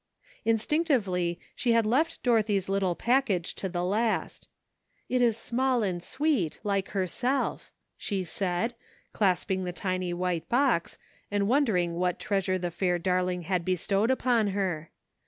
Instinctively she had left Dorothy's little package to the last. "It is small and sweet, like herself," she said, clasping the tiny white box, and wondering what treasure the fair dar ling had bestowed upon her.